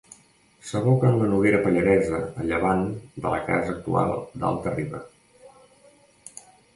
S'aboca en la Noguera Pallaresa a llevant de la casa actual d'Alta-riba.